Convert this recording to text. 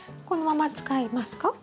このまま使いますか？